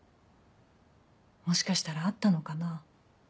もしかしたらあったのかな？